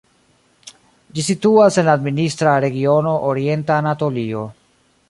Ĝi situas en la administra regiono Orienta Anatolio.